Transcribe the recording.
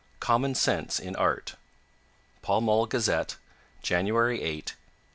COMMON SENSE IN ART (Pall Mall Gazette, January 8, 1887.)